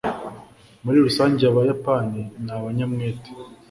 muri rusange, abayapani ni abanyamwete